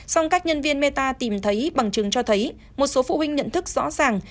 song các nhân viên meta tìm thấy bằng chứng cho thấy một số phụ huynh nhận thức rõ ràng